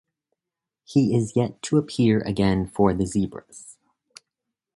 He is yet to appear again for the Zebras.